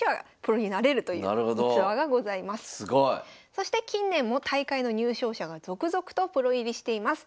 そして近年も大会の入賞者が続々とプロ入りしています。